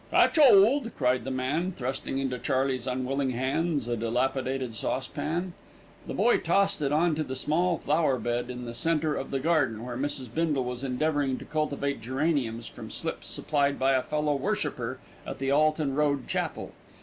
"Catch 'old," cried the man, thrusting into Charley's unwilling hands a dilapidated saucepan. The boy tossed it on to the small flower bed in the centre of the garden, where Mrs. Bindle was endeavouring to cultivate geraniums from slips supplied by a fellow worshipper at the Alton Road Chapel.